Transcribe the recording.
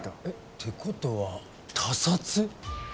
えってことは他殺？